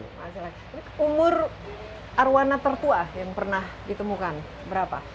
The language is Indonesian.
umur arowana tertua yang pernah ditemukan berapa